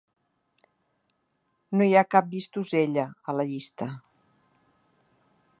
No hi ha cap Llistosella, a la llista.